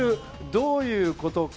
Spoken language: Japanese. どういうことか。